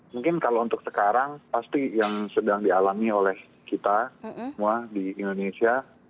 mungkin kalau untuk sekarang pasti yang sedang dialami oleh kita semua di indonesia